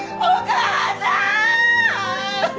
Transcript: お母さーん！